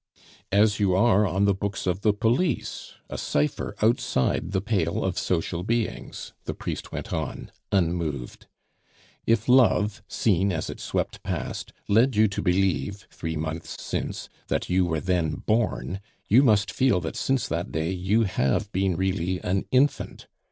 "As you are on the books of the police, a cipher outside the pale of social beings," the priest went on, unmoved. "If love, seen as it swept past, led you to believe three months since that you were then born, you must feel that since that day you have been really an infant.